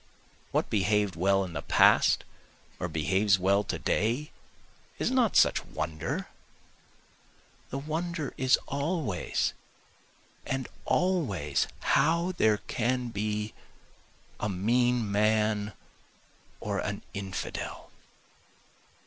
What behaved well in the past or behaves well to day is not such wonder, The wonder is always and always how there can be a mean man or an infidel.